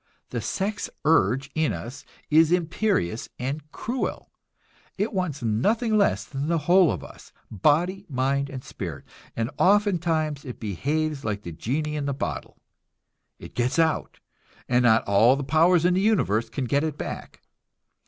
The sex urge in us is imperious and cruel; it wants nothing less than the whole of us, body, mind and spirit, and ofttimes it behaves like the genii in the bottle it gets out, and not all the powers in the universe can get it back.